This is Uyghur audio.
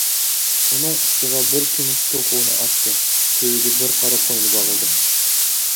ئۇنىڭ ئۇچىغا بىر كۈمۈش توخۇنى ئاستى، تۈۋىگە بىر قارا قوينى باغلىدى.